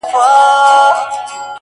هغه وكړې سوگېرې پــه خـاموشـۍ كي”